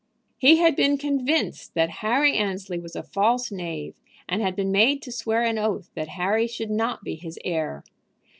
He had been convinced that Harry Annesley was a false knave, and had been made to swear an oath that Harry should not be his heir.